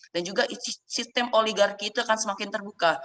dan juga sistem oligarki itu akan semakin terbuka